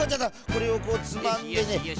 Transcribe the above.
これをこうつまんでね。